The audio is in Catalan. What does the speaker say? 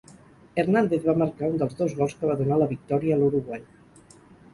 Hernández va marcar un dels dos gols que va donar la victòria a l'Uruguai.